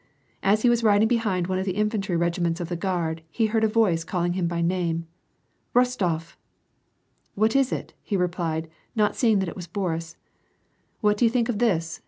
. .r ^.5 he was riding behind one of the infantry regiments * CTiiard, he heard a voice calling him by name. '*::Bostof!" I I What'is it ?" he replied, not seeing that it was ^J[ ^„t ,« What do you think of this